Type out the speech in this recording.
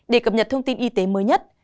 để cập nhật thông tin y tế mới nhất